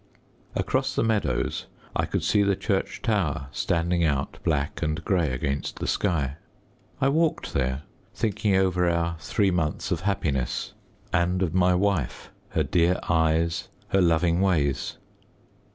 Across the meadows I could see the church tower standing out black and grey against the sky. I walked there thinking over our three months of happiness and of my wife, her dear eyes, her loving ways.